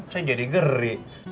saya jadi gerik